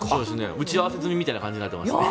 打ち合わせ済みみたいになってますね。